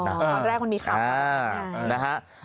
ตอนแรกมันมีข่าว